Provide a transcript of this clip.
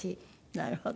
なるほど。